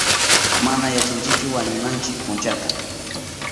Mana yachanchichu wañunanchi punchata.